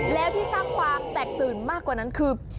แล้วที่สร้างความแตกตื่นมากกว่านั้นคือ